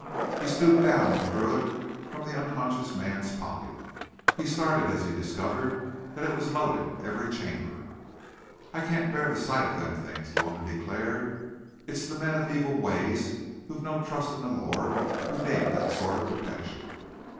He stooped down and withdrew it from the unconscious man's pocket. He started as he discovered that it was loaded in every chamber. "I can't bear the sight of them things," the woman declared. "It's the men of evil ways, who've no trust in the Lord, who need that sort of protection."